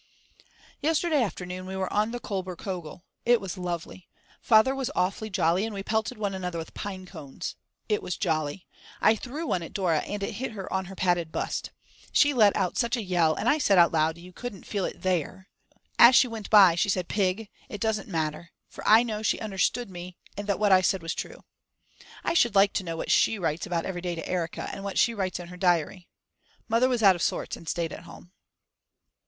Yesterday afternoon we were on the Kolber Kogel. It was lovely. Father was awfully jolly and we pelted one another with pine cones. It was jolly. I threw one at Dora and it hit her on her padded bust. She let out such a yell and I said out loud You couldn't feel it there. As she went by she said Pig! It doesn't matter, for I know she understood me and that what I said was true. I should like to know what she writes about every day to Erika and what she writes in her diary. Mother was out of sorts and stayed at home.